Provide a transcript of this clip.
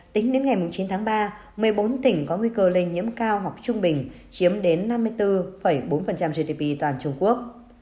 tính đến ngày chín tháng ba một mươi bốn tỉnh có nguy cơ lây nhiễm cao hoặc trung bình chiếm đến năm mươi bốn bốn gdp toàn trung quốc